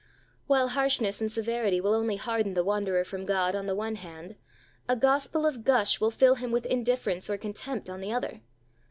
While harshness and severity will only harden the wanderer from God on the one hand, a gospel of gush will fill him with indifference or contempt on the other.